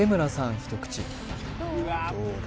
一口どうだ？